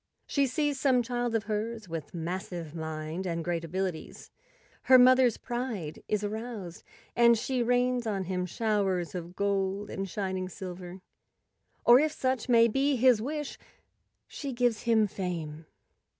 She sees some child of hers with massive mind and great abili¬ ties; her mother's pride is aroused, and she rains on him showers of gold and shining silver. Or, if such may be his wish, she gives him fame.